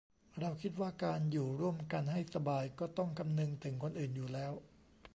เราคิดว่าการอยู่ร่วมกันให้สบายก็ต้องคำนึงถึงคนอื่นอยู่แล้ว